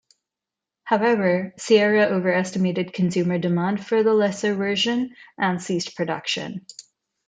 However, Sierra overestimated consumer demand for the lesser version, and ceased production.